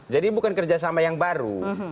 jadi bukan kerjasama yang baru